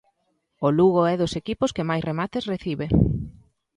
O Lugo é dos equipos que máis remates recibe.